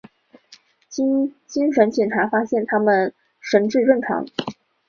经精神检查发现他们神智正常。